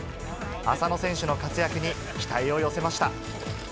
浅野選手の活躍に期待を寄せました。